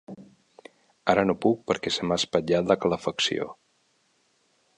Ara no puc perquè se m'ha espatllat la calefacció.